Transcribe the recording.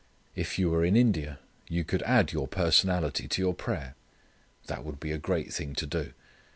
If you were in India you could add your personality to your prayer. That would be a great thing to do.